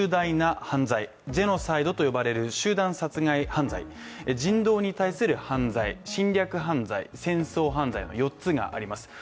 取り扱うのは最も重大な犯罪ジェノサイドと呼ばれる集団殺人犯罪、人道に対する犯罪、侵略犯罪、戦争犯罪があります。